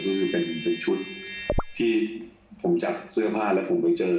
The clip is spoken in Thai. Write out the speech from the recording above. ก็คือเป็นชุดที่ผมจัดเสื้อผ้าแล้วผมไปเจอ